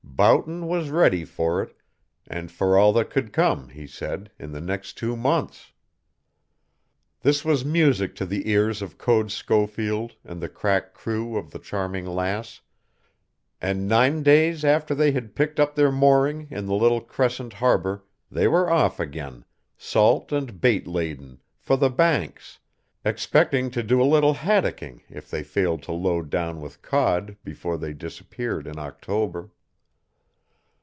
Boughton was ready for it, and for all that could come, he said, in the next two months. This was music to the ears of Code Schofield and the crack crew of the Charming Lass, and nine days after they had picked up their mooring in the little crescent harbor they were off again, salt and bait laden, for the Banks, expecting to do a little haddocking if they failed to load down with cod before they disappeared in October.